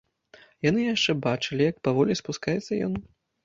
Яны яшчэ бачылі, як паволі спускаецца ён.